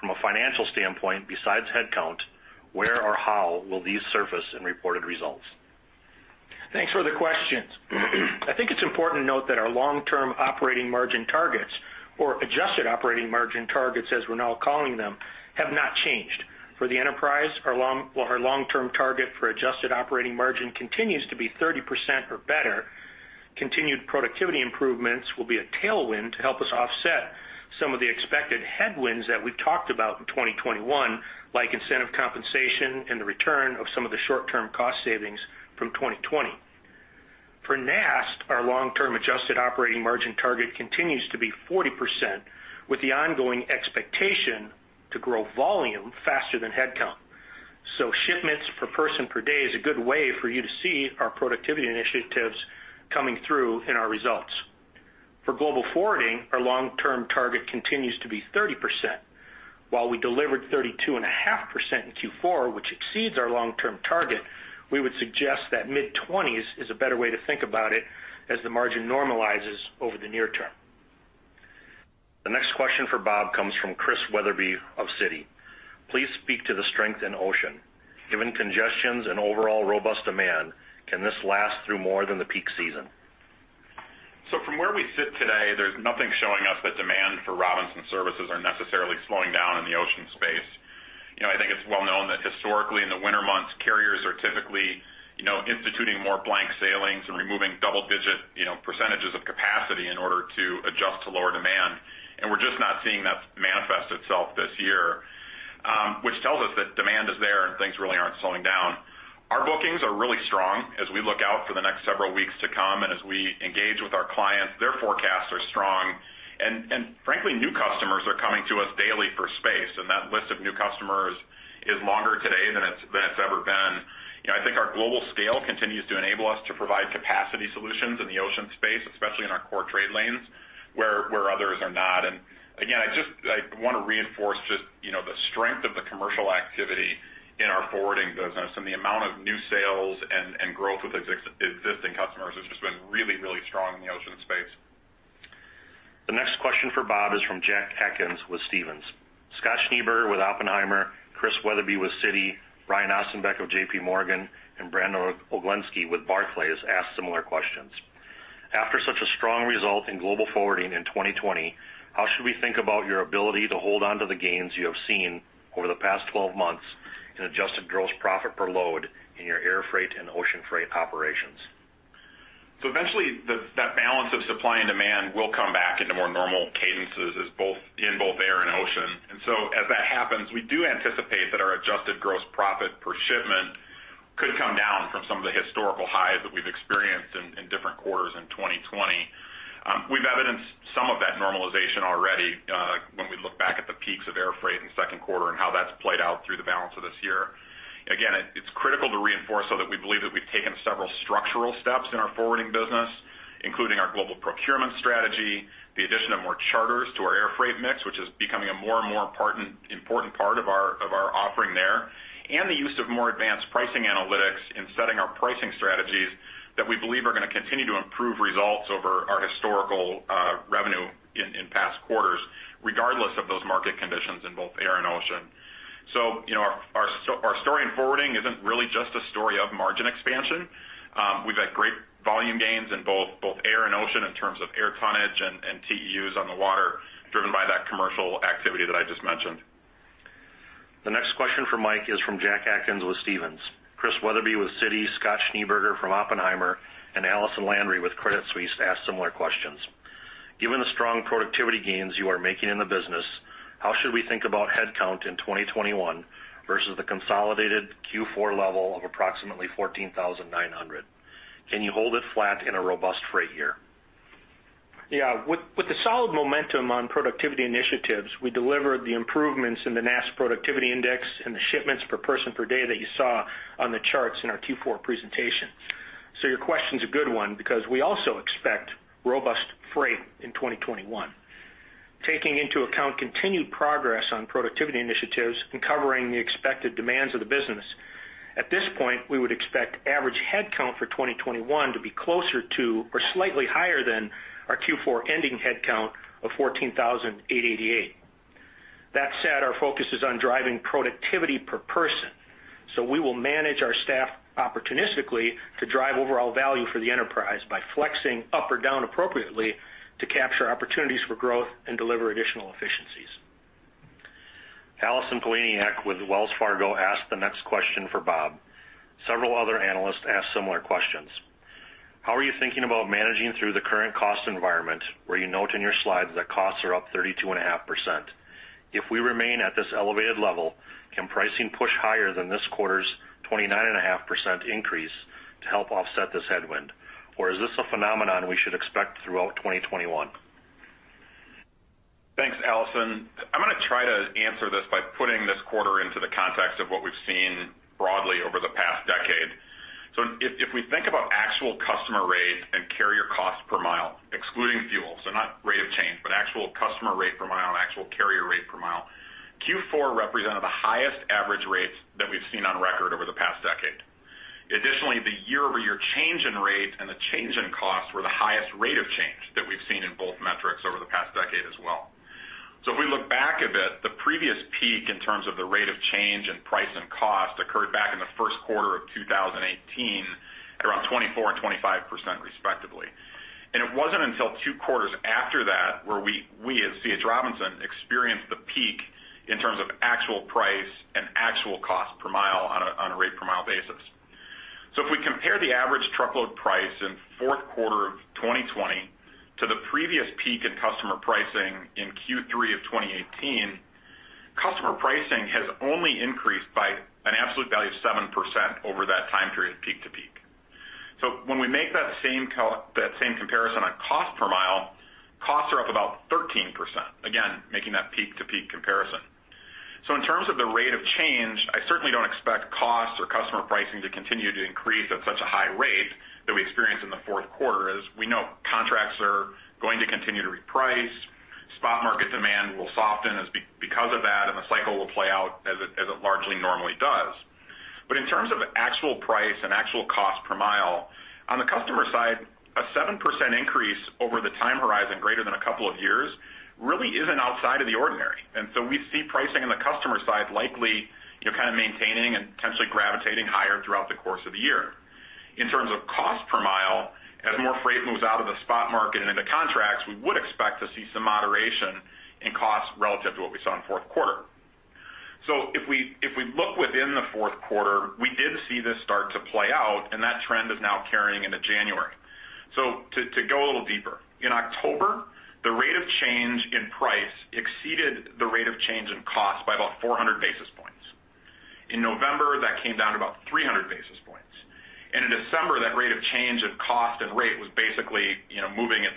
From a financial standpoint, besides headcount, where or how will these surface in reported results? Thanks for the questions. I think it's important to note that our long-term Operating Margin targets or Adjusted Operating Margin targets, as we're now calling them, have not changed. For the enterprise, our long-term target for Adjusted Operating Margin continues to be 30% or better. Continued productivity improvements will be a tailwind to help us offset some of the expected headwinds that we've talked about in 2021, like incentive compensation and the return of some of the short-term cost savings from 2020. For NAST, our long-term Adjusted Operating Margin target continues to be 40%, with the ongoing expectation to grow volume faster than headcount. Shipments per person per day is a good way for you to see our productivity initiatives coming through in our results. For Global Forwarding, our long-term target continues to be 30%. While we delivered 32.5% in Q4, which exceeds our long-term target, we would suggest that mid-20s is a better way to think about it as the margin normalizes over the near term. The next question for Bob comes from Chris Wetherbee of Citi. Please speak to the strength in ocean. Given congestions and overall robust demand, can this last through more than the peak season? From where we sit today, there's nothing showing us that demand for Robinson services are necessarily slowing down in the ocean space. I think it's well known that historically in the winter months, carriers are typically instituting more blank sailings and removing double-digit percentages of capacity in order to adjust to lower demand. We're just not seeing that manifest itself this year, which tells us that demand is there and things really aren't slowing down. Our bookings are really strong as we look out for the next several weeks to come, and as we engage with our clients, their forecasts are strong. Frankly, new customers are coming to us daily for space, and that list of new customers is longer today than it's ever been. I think our global scale continues to enable us to provide capacity solutions in the ocean space, especially in our core trade lanes where others are not. Again, I want to reinforce just the strength of the commercial activity in our forwarding business and the amount of new sales and growth with existing customers has just been really strong in the ocean space. The next question for Bob is from Jack Atkins with Stephens. Scott Schneeberger with Oppenheimer, Chris Wetherbee with Citi, Brian Ossenbeck of J.P. Morgan, and Brandon Oglenski with Barclays asked similar questions. After such a strong result in global forwarding in 2020, how should we think about your ability to hold onto the gains you have seen over the past 12 months in adjusted gross profit per load in your air freight and ocean freight operations? Eventually, that balance of supply and demand will come back into more normal cadences in both air and ocean. As that happens, we do anticipate that our adjusted gross profit per shipment could come down from some of the historical highs that we've experienced in different quarters in 2020. We've evidenced some of that normalization already when we look back at the peaks of air freight in the second quarter and how that's played out through the balance of this year. Again, it's critical to reinforce so that we believe that we've taken several structural steps in our forwarding business, including our global procurement strategy, the addition of more charters to our air freight mix, which is becoming a more and more important part of our offering there, and the use of more advanced pricing analytics in setting our pricing strategies that we believe are going to continue to improve results over our historical revenue in past quarters, regardless of those market conditions in both air and ocean. Our story in forwarding isn't really just a story of margin expansion. We've had great volume gains in both air and ocean in terms of air tonnage and TEUs on the water driven by that commercial activity that I just mentioned. The next question for Mike is from Jack Atkins with Stephens. Chris Wetherbee with Citi, Scott Schneeberger from Oppenheimer, and Allison Landry with Credit Suisse asked similar questions. Given the strong productivity gains you are making in the business, how should we think about headcount in 2021 versus the consolidated Q4 level of approximately 14,900? Can you hold it flat in a robust freight year? With the solid momentum on productivity initiatives, we delivered the improvements in the NAST Productivity Index and the shipments per person per day that you saw on the charts in our Q4 presentation. Your question is a good one because we also expect robust freight in 2021. Taking into account continued progress on productivity initiatives and covering the expected demands of the business, at this point, we would expect average headcount for 2021 to be closer to or slightly higher than our Q4 ending headcount of 14,888. That said, our focus is on driving productivity per person. We will manage our staff opportunistically to drive overall value for the enterprise by flexing up or down appropriately to capture opportunities for growth and deliver additional efficiencies. Allison Poliniak-Cusic with Wells Fargo asked the next question for Bob. Several other analysts asked similar questions. How are you thinking about managing through the current cost environment where you note in your slides that costs are up 32.5%? If we remain at this elevated level, can pricing push higher than this quarter's 29.5% increase to help offset this headwind? Or is this a phenomenon we should expect throughout 2021? Thanks, Allison. I'm going to try to answer this by putting this quarter into the context of what we've seen broadly over the past decade. If we think about actual customer rates and carrier cost per mile, excluding fuel, not rate of change, but actual customer rate per mile and actual carrier rate per mile, Q4 represented the highest average rates that we've seen on record over the past decade. Additionally, the year-over-year change in rate and the change in cost were the highest rate of change that we've seen in both metrics over the past decade as well. If we look back a bit, the previous peak in terms of the rate of change in price and cost occurred back in the first quarter of 2018, at around 24% and 25% respectively. It wasn't until two quarters after that, where we at C. H. Robinson, experienced the peak in terms of actual price and actual cost per mile on a rate per mile basis. If we compare the average truckload price in the fourth quarter of 2020 to the previous peak in customer pricing in Q3 of 2018, customer pricing has only increased by an absolute value of 7% over that time period, peak to peak. When we make that same comparison on cost per mile, costs are up about 13%. Again, making that peak to peak comparison. In terms of the rate of change, I certainly don't expect costs or customer pricing to continue to increase at such a high rate that we experienced in the fourth quarter. As we know, contracts are going to continue to reprice, spot market demand will soften because of that, and the cycle will play out as it largely normally does. In terms of actual price and actual cost per mile, on the customer side, a 7% increase over the time horizon greater than a couple of years really isn't outside of the ordinary. We see pricing on the customer side likely kind of maintaining and potentially gravitating higher throughout the course of the year. In terms of cost per mile, as more freight moves out of the spot market and into contracts, we would expect to see some moderation in cost relative to what we saw in the fourth quarter. If we look within the fourth quarter, we did see this start to play out, and that trend is now carrying into January. To go a little deeper. In October, the rate of change in price exceeded the rate of change in cost by about 400 basis points In November, that came down to about 300 basis points. In December, that rate of change of cost and rate was basically moving at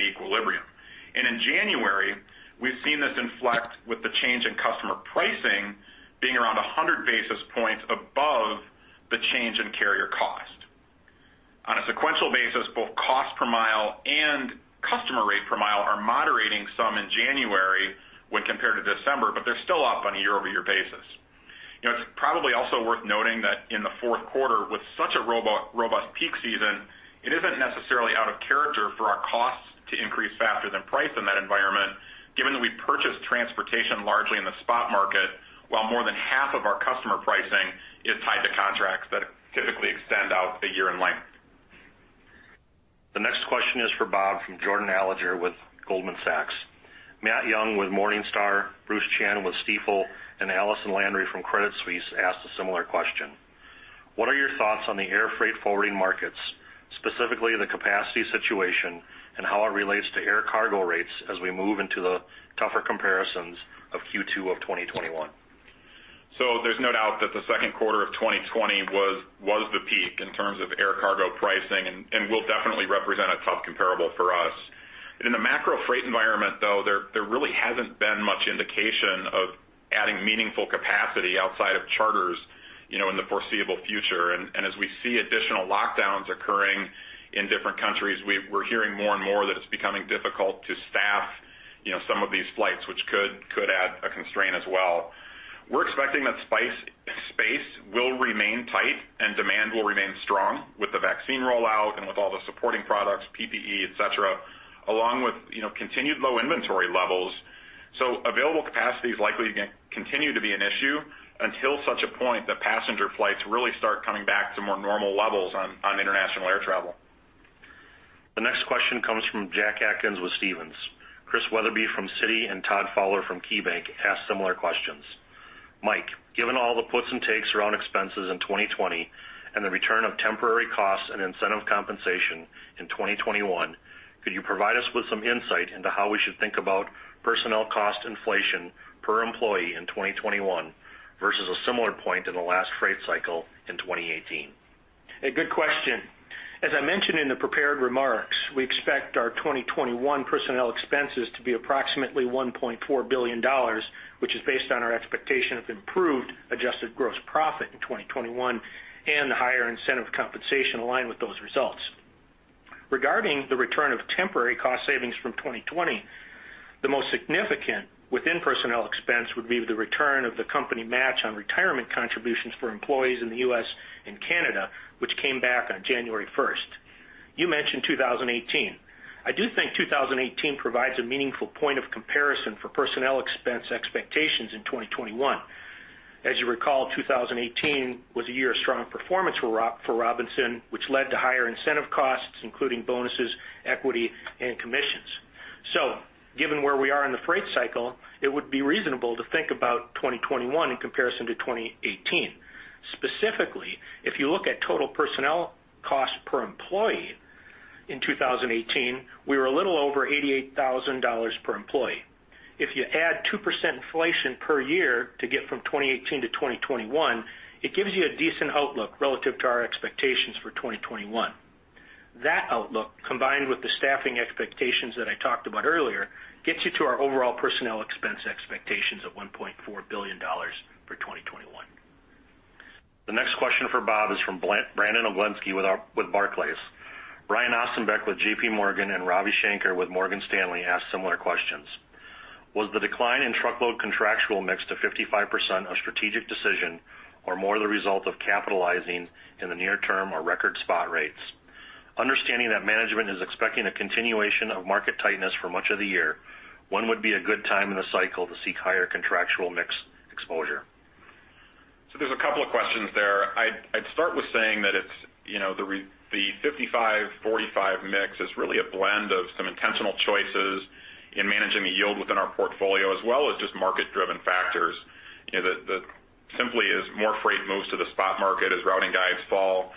equilibrium. In January, we've seen this inflect with the change in customer pricing being around 100 basis points above the change in carrier cost. On a sequential basis, both cost per mile and customer rate per mile are moderating some in January when compared to December, but they're still up on a year-over-year basis. It's probably also worth noting that in the fourth quarter, with such a robust peak season, it isn't necessarily out of character for our costs to increase faster than price in that environment, given that we purchased transportation largely in the spot market, while more than half of our customer pricing is tied to contracts that typically extend out a year in length. The next question is for Bob from Jordan Alliger with Goldman Sachs. Matt Young with Morningstar, Bruce Chan with Stifel, and Allison Landry from Credit Suisse asked a similar question. "What are your thoughts on the air freight forwarding markets, specifically the capacity situation and how it relates to air cargo rates as we move into the tougher comparisons of Q2 of 2021? There's no doubt that the second quarter of 2020 was the peak in terms of air cargo pricing and will definitely represent a tough comparable for us. In the macro freight environment, though, there really hasn't been much indication of adding meaningful capacity outside of charters in the foreseeable future. As we see additional lockdowns occurring in different countries, we're hearing more and more that it's becoming difficult to staff some of these flights, which could add a constraint as well. We're expecting that space will remain tight and demand will remain strong with the vaccine rollout and with all the supporting products, PPE, et cetera, along with continued low inventory levels. Available capacity is likely going to continue to be an issue until such a point that passenger flights really start coming back to more normal levels on international air travel. The next question comes from Jack Atkins with Stephens. Chris Wetherbee from Citi and Todd Fowler from KeyBanc asked similar questions. Mike, given all the puts and takes around expenses in 2020 and the return of temporary costs and incentive compensation in 2021, could you provide us with some insight into how we should think about personnel cost inflation per employee in 2021 versus a similar point in the last freight cycle in 2018? A good question. As I mentioned in the prepared remarks, we expect our 2021 personnel expenses to be approximately $1.4 billion, which is based on our expectation of improved adjusted gross profit in 2021 and the higher incentive compensation aligned with those results. Regarding the return of temporary cost savings from 2020, the most significant within personnel expense would be the return of the company match on retirement contributions for employees in the U.S. and Canada, which came back on January 1st. You mentioned 2018. I do think 2018 provides a meaningful point of comparison for personnel expense expectations in 2021. As you recall, 2018 was a year of strong performance for Robinson, which led to higher incentive costs, including bonuses, equity, and commissions. Given where we are in the freight cycle, it would be reasonable to think about 2021 in comparison to 2018. Specifically, if you look at total personnel cost per employee in 2018, we were a little over $88,000 per employee. If you add 2% inflation per year to get from 2018-2021, it gives you a decent outlook relative to our expectations for 2021. That outlook, combined with the staffing expectations that I talked about earlier, gets you to our overall personnel expense expectations of $1.4 billion for 2021. The next question for Bob is from Brandon Oglenski with Barclays. Brian Ossenbeck with J.P. Morgan, and Ravi Shanker with Morgan Stanley asked similar questions. Was the decline in truckload contractual mix to 55% a strategic decision, or more the result of capitalizing in the near term or record spot rates? Understanding that management is expecting a continuation of market tightness for much of the year, when would be a good time in the cycle to seek higher contractual mix exposure? There's a couple of questions there. I'd start with saying that the 55/45 mix is really a blend of some intentional choices in managing the yield within our portfolio, as well as just market-driven factors. Simply as more freight moves to the spot market, as routing guides fall,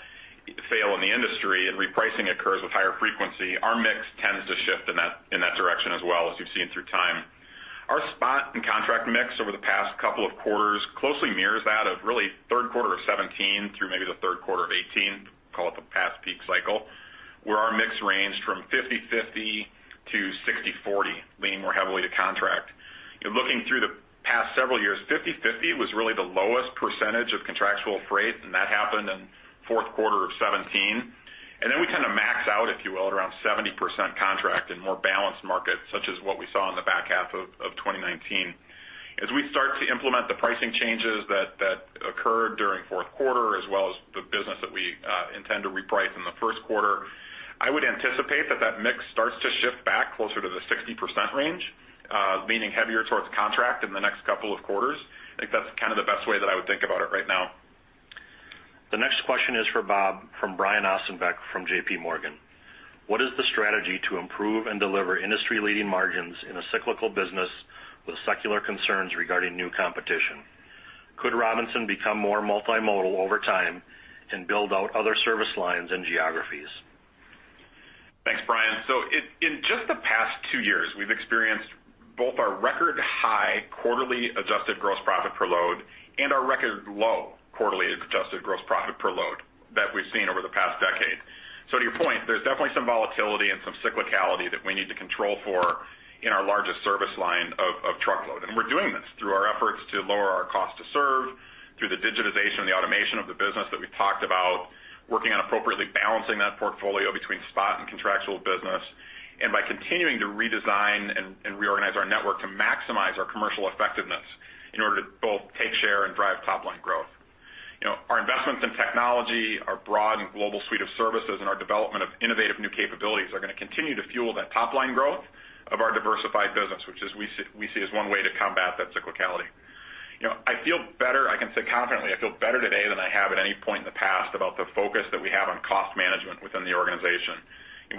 fail in the industry, and repricing occurs with higher frequency, our mix tends to shift in that direction as well, as you've seen through time. Our spot and contract mix over the past couple of quarters closely mirrors that of really third quarter of 2017 through maybe the third quarter of 2018, call it the past peak cycle, where our mix ranged from 50/50 to 60/40, leaning more heavily to contract. Looking through the past several years, 50/50 was really the lowest percentage of contractual freight, and that happened in fourth quarter of 2017. Then we kind of max out, if you will, at around 70% contract in more balanced markets, such as what we saw in the back half of 2019. As we start to implement the pricing changes that occurred during fourth quarter, as well as the business that we intend to reprice in the first quarter, I would anticipate that that mix starts to shift back closer to the 60% range, leaning heavier towards contract in the next couple of quarters. I think that's kind of the best way that I would think about it right now. The next question is for Bob from Brian Ossenbeck from J.P. Morgan. What is the strategy to improve and deliver industry-leading margins in a cyclical business with secular concerns regarding new competition? Could Robinson become more multimodal over time and build out other service lines and geographies? Thanks, Brian. In just the past two years, we've experienced both our record high quarterly adjusted gross profit per load and our record low quarterly adjusted gross profit per load that we've seen over the past decade. To your point, there's definitely some volatility and some cyclicality that we need to control for in our largest service line of truckload. We're doing this through our efforts to lower our cost to serve, through the digitization and the automation of the business that we've talked about, working on appropriately balancing that portfolio between spot and contractual business. By continuing to redesign and reorganize our network to maximize our commercial effectiveness in order to both take share and drive top-line growth. Our investments in technology, our broad and global suite of services, and our development of innovative new capabilities are going to continue to fuel that top-line growth of our diversified business, which we see as one way to combat that cyclicality. I can say confidently, I feel better today than I have at any point in the past about the focus that we have on cost management within the organization.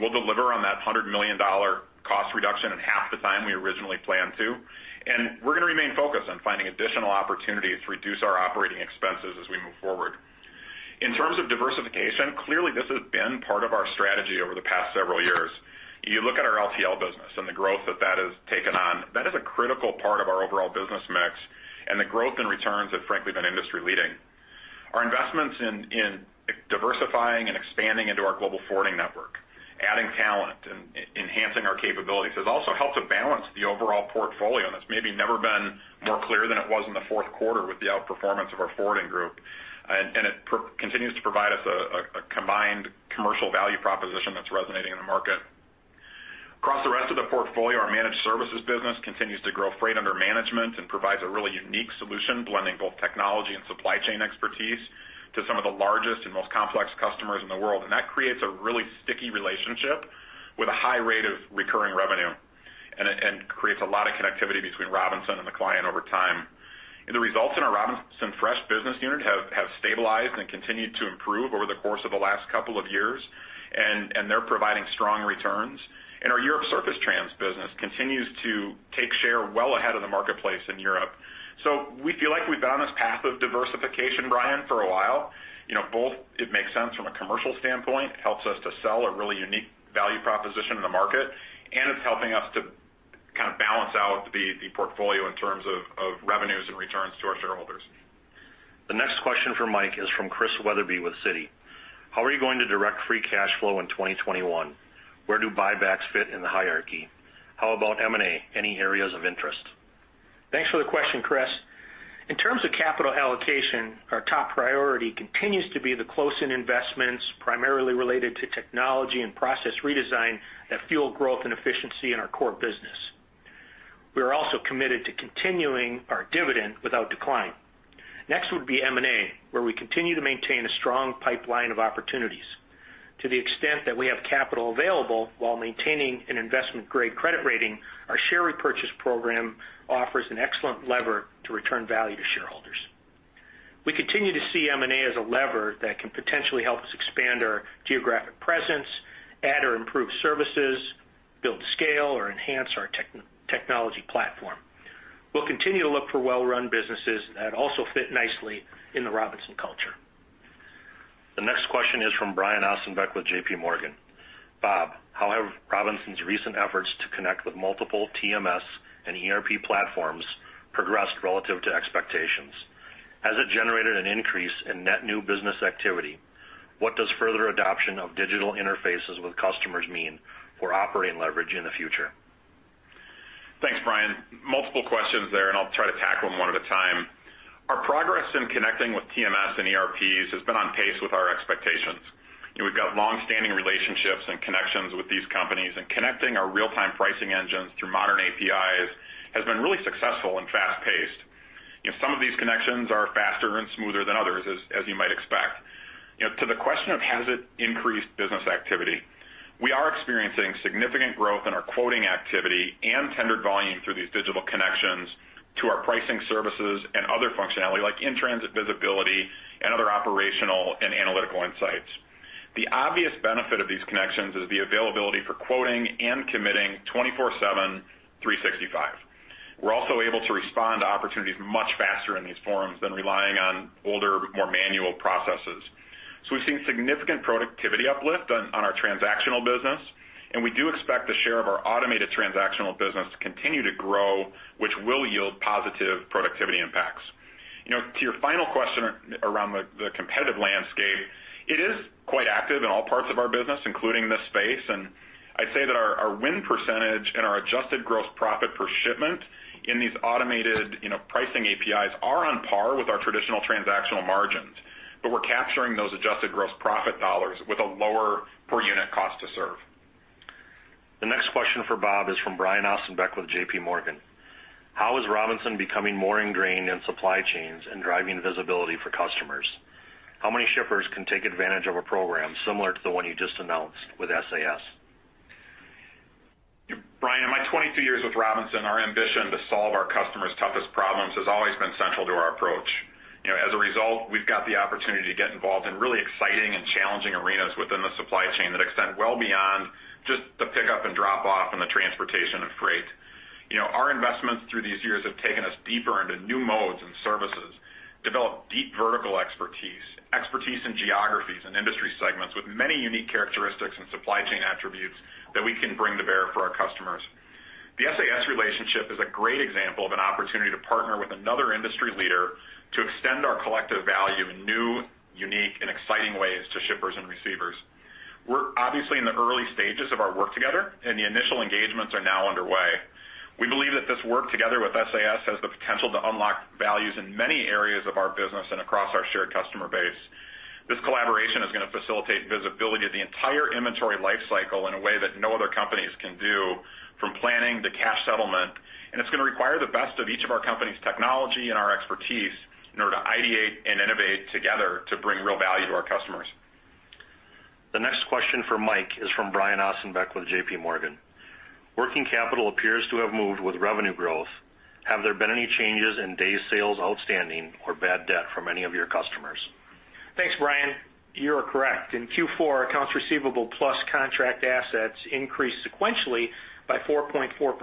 We'll deliver on that $100 million cost reduction in half the time we originally planned to. We're going to remain focused on finding additional opportunities to reduce our operating expenses as we move forward. In terms of diversification, clearly this has been part of our strategy over the past several years. You look at our LTL business and the growth that that has taken on, that is a critical part of our overall business mix, and the growth and returns have frankly been industry leading. Our investments in diversifying and expanding into our global forwarding network, adding talent, and enhancing our capabilities has also helped to balance the overall portfolio, and it's maybe never been more clear than it was in the fourth quarter with the outperformance of our forwarding group. It continues to provide us a combined commercial value proposition that's resonating in the market. Across the rest of the portfolio, our Managed Services business continues to grow freight under management and provides a really unique solution, blending both technology and supply chain expertise to some of the largest and most complex customers in the world. That creates a really sticky relationship with a high rate of recurring revenue and creates a lot of connectivity between Robinson and the client over time. The results in our Robinson Fresh business unit have stabilized and continued to improve over the course of the last couple of years, and they're providing strong returns. Our European Surface Transportation business continues to take share well ahead of the marketplace in Europe. We feel like we've been on this path of diversification, Brian, for a while. Both it makes sense from a commercial standpoint. It helps us to sell a really unique value proposition in the market, and it's helping us to kind of balance out the portfolio in terms of revenues and returns to our shareholders. The next question for Mike is from Chris Wetherbee with Citi. How are you going to direct free cash flow in 2021? Where do buybacks fit in the hierarchy? How about M&A? Any areas of interest? Thanks for the question, Chris. In terms of capital allocation, our top priority continues to be the close-in investments primarily related to technology and process redesign that fuel growth and efficiency in our core business. We are also committed to continuing our dividend without decline. Next would be M&A, where we continue to maintain a strong pipeline of opportunities. To the extent that we have capital available while maintaining an investment-grade credit rating, our share repurchase program offers an excellent lever to return value to shareholders. We continue to see M&A as a lever that can potentially help us expand our geographic presence, add or improve services, build scale, or enhance our technology platform. We'll continue to look for well-run businesses that also fit nicely in the Robinson culture. The next question is from Brian Ossenbeck with J.P. Morgan. Bob, how have Robinson's recent efforts to connect with multiple TMS and ERP platforms progressed relative to expectations? Has it generated an increase in net new business activity? What does further adoption of digital interfaces with customers mean for operating leverage in the future? Thanks, Brian. Multiple questions there. I'll try to tackle them one at a time. Our progress in connecting with TMS and ERPs has been on pace with our expectations. We've got longstanding relationships and connections with these companies. Connecting our real-time pricing engines through modern APIs has been really successful and fast-paced. Some of these connections are faster and smoother than others, as you might expect. To the question of has it increased business activity, we are experiencing significant growth in our quoting activity and tendered volume through these digital connections to our pricing services and other functionality, like in-transit visibility and other operational and analytical insights. The obvious benefit of these connections is the availability for quoting and committing 24/7, 365. We're also able to respond to opportunities much faster in these forums than relying on older, more manual processes. We've seen significant productivity uplift on our transactional business, and we do expect the share of our automated transactional business to continue to grow, which will yield positive productivity impacts. To your final question around the competitive landscape, it is quite active in all parts of our business, including this space. I'd say that our win percentage and our adjusted gross profit per shipment in these automated pricing APIs are on par with our traditional transactional margins. We're capturing those adjusted gross profit dollars with a lower per-unit cost to serve. The next question for Bob is from Brian Ossenbeck with J.P. Morgan. How is Robinson becoming more ingrained in supply chains and driving visibility for customers? How many shippers can take advantage of a program similar to the one you just announced with SAS? Brian, in my 22 years with Robinson, our ambition to solve our customers' toughest problems has always been central to our approach. As a result, we've got the opportunity to get involved in really exciting and challenging arenas within the supply chain that extend well beyond just the pickup and drop-off and the transportation of freight. Our investments through these years have taken us deeper into new modes and services, developed deep vertical expertise in geographies and industry segments with many unique characteristics and supply chain attributes that we can bring to bear for our customers. The SAS relationship is a great example of an opportunity to partner with another industry leader to extend our collective value in new, unique, and exciting ways to shippers and receivers. We're obviously in the early stages of our work together, and the initial engagements are now underway. We believe that this work together with SAS has the potential to unlock values in many areas of our business and across our shared customer base. This collaboration is going to facilitate visibility of the entire inventory life cycle in a way that no other companies can do, from planning to cash settlement. It's going to require the best of each of our company's technology and our expertise in order to ideate and innovate together to bring real value to our customers. The next question for Mike is from Brian Ossenbeck with J.P. Morgan. Working capital appears to have moved with revenue growth. Have there been any changes in days sales outstanding or bad debt from any of your customers? Thanks, Brian. You are correct. In Q4, accounts receivable plus contract assets increased sequentially by 4.4%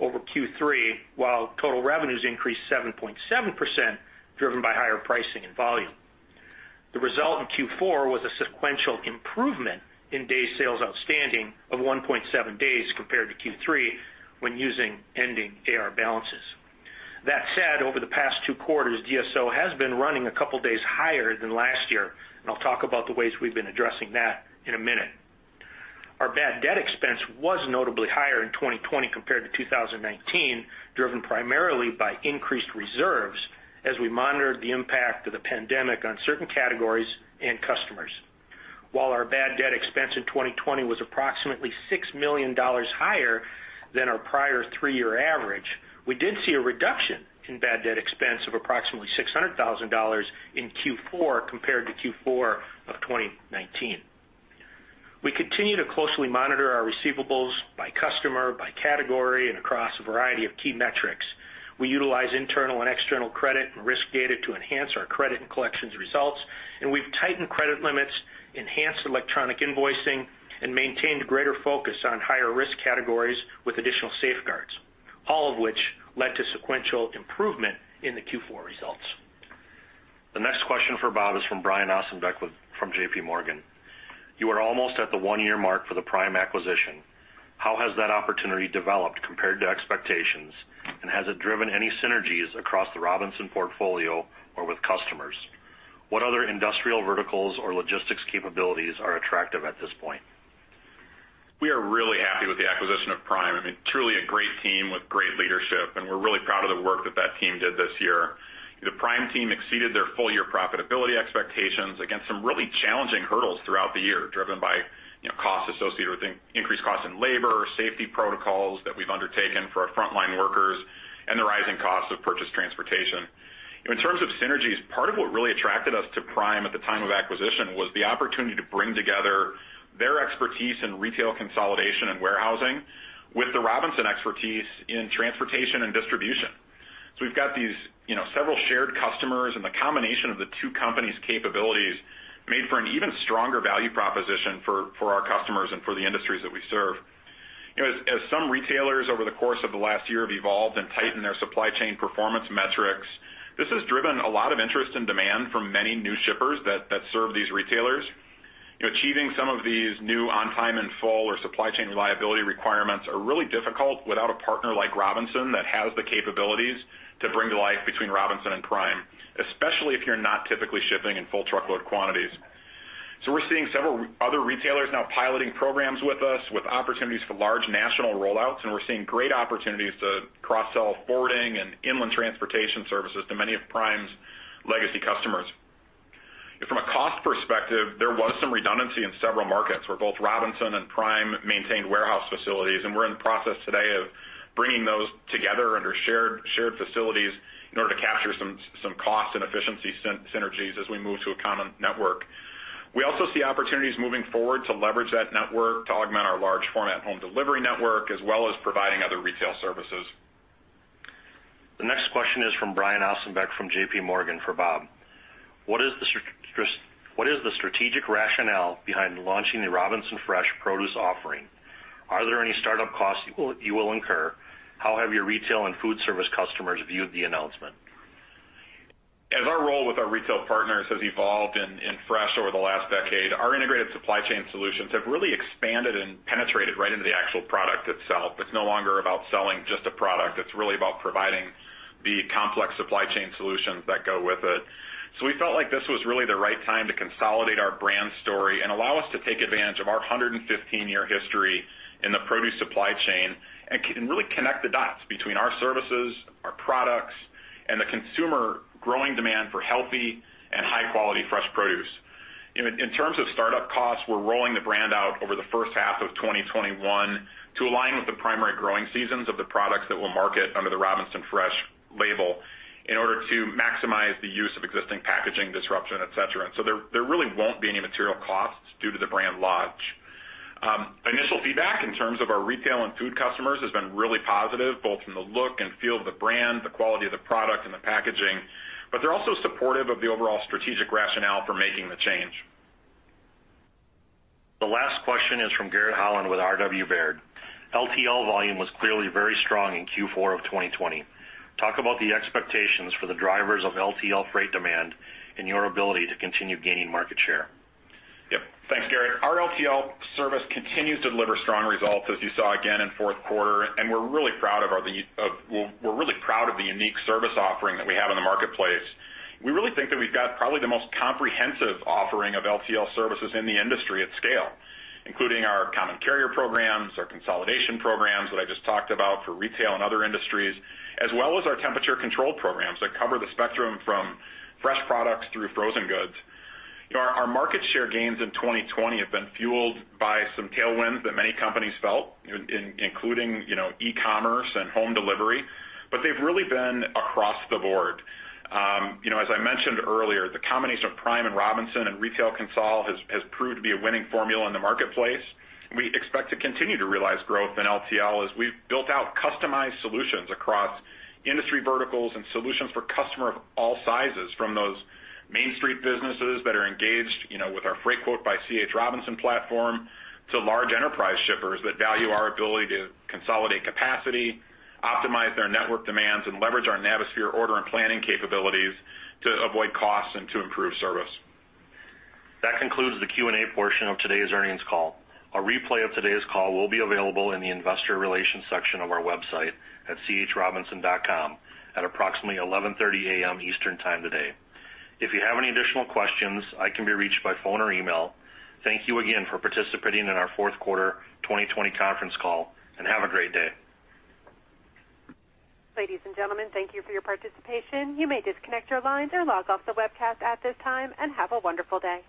over Q3, while total revenues increased 7.7%, driven by higher pricing and volume. The result in Q4 was a sequential improvement in days sales outstanding of 1.7 days compared to Q3 when using ending AR balances. That said, over the past two quarters, DSO has been running a couple days higher than last year, and I'll talk about the ways we've been addressing that in a minute. Our bad debt expense was notably higher in 2020 compared to 2019, driven primarily by increased reserves as we monitored the impact of the pandemic on certain categories and customers. While our bad debt expense in 2020 was approximately $6 million higher than our prior three-year average, we did see a reduction in bad debt expense of approximately $600,000 in Q4 compared to Q4 of 2019. We continue to closely monitor our receivables by customer, by category, and across a variety of key metrics. We utilize internal and external credit and risk data to enhance our credit and collections results. We've tightened credit limits, enhanced electronic invoicing, and maintained greater focus on higher-risk categories with additional safeguards, all of which led to sequential improvement in the Q4 results. The next question for Bob is from Brian Ossenbeck from J.P. Morgan. You are almost at the one-year mark for the Prime acquisition. How has that opportunity developed compared to expectations, and has it driven any synergies across the Robinson portfolio or with customers? What other industrial verticals or logistics capabilities are attractive at this point? We are really happy with the acquisition of Prime. I mean, truly a great team with great leadership, and we're really proud of the work that team did this year. The Prime team exceeded their full-year profitability expectations against some really challenging hurdles throughout the year, driven by costs associated with increased costs in labor, safety protocols that we've undertaken for our frontline workers, and the rising costs of purchased transportation. In terms of synergies, part of what really attracted us to Prime at the time of acquisition was the opportunity to bring together their expertise in Retail Consolidation and warehousing with the Robinson expertise in transportation and distribution. We've got these several shared customers, and the combination of the two companies' capabilities made for an even stronger value proposition for our customers and for the industries that we serve. As some retailers over the course of the last year have evolved and tightened their supply chain performance metrics, this has driven a lot of interest and demand from many new shippers that serve these retailers. Achieving some of these new on-time and full or supply chain reliability requirements are really difficult without a partner like Robinson that has the capabilities to bring to life between Robinson and Prime, especially if you're not typically shipping in full truckload quantities. We're seeing several other retailers now piloting programs with us with opportunities for large national rollouts, and we're seeing great opportunities to cross-sell forwarding and inland transportation services to many of Prime's legacy customers. From a cost perspective, there was some redundancy in several markets where both Robinson and Prime maintained warehouse facilities. We're in the process today of bringing those together under shared facilities in order to capture some cost and efficiency synergies as we move to a common network. We also see opportunities moving forward to leverage that network to augment our large format home delivery network, as well as providing other retail services. The next question is from Brian Ossenbeck from J.P. Morgan for Bob. What is the strategic rationale behind launching the Robinson Fresh produce offering? Are there any startup costs you will incur? How have your retail and food service customers viewed the announcement? As our role with our retail partners has evolved in Fresh over the last decade, our integrated supply chain solutions have really expanded and penetrated right into the actual product itself. It's no longer about selling just a product. It's really about providing the complex supply chain solutions that go with it. We felt like this was really the right time to consolidate our brand story and allow us to take advantage of our 115-year history in the produce supply chain and really connect the dots between our services, our products, and the consumer growing demand for healthy and high-quality fresh produce. In terms of startup costs, we're rolling the brand out over the first half of 2021 to align with the primary growing seasons of the products that we'll market under the Robinson Fresh label in order to maximize the use of existing packaging, disruption, et cetera. There really won't be any material costs due to the brand launch. Initial feedback in terms of our retail and food customers has been really positive, both from the look and feel of the brand, the quality of the product, and the packaging, but they're also supportive of the overall strategic rationale for making the change. The last question is from Garrett Holland with RW Baird. LTL volume was clearly very strong in Q4 of 2020. Talk about the expectations for the drivers of LTL freight demand and your ability to continue gaining market share. Yep. Thanks, Garrett. Our LTL service continues to deliver strong results, as you saw again in fourth quarter, and we're really proud of the unique service offering that we have in the marketplace. We really think that we've got probably the most comprehensive offering of LTL services in the industry at scale, including our common carrier programs, our consolidation programs that I just talked about for retail and other industries, as well as our temperature control programs that cover the spectrum from fresh products through frozen goods. Our market share gains in 2020 have been fueled by some tailwinds that many companies felt, including e-commerce and home delivery, but they've really been across the board. As I mentioned earlier, the combination of Prime and Robinson and Retail Consol has proved to be a winning formula in the marketplace. We expect to continue to realize growth in LTL as we've built out customized solutions across industry verticals and solutions for customer of all sizes from those main street businesses that are engaged with our Freightquote by C.H. Robinson platform to large enterprise shippers that value our ability to consolidate capacity, optimize their network demands, and leverage our Navisphere order and planning capabilities to avoid costs and to improve service. That concludes the Q&A portion of today's earnings call. A replay of today's call will be available in the investor relations section of our website at chrobinson.com at approximately 11:30 A.M. Eastern time today. If you have any additional questions, I can be reached by phone or email. Thank you again for participating in our fourth quarter 2020 conference call. Have a great day. Ladies and gentlemen, thank you for your participation. You may disconnect your lines or log off the webcast at this time, and have a wonderful day.